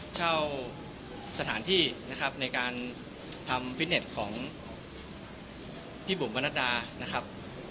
เช่าสถานที่นะครับในการทำฟิตเน็ตของพี่บุ๋มวรนัดดานะครับ